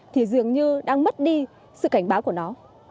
thì dường như đang mất đi sự cảnh báo của nó